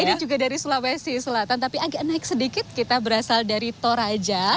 ini juga dari sulawesi selatan tapi agak naik sedikit kita berasal dari toraja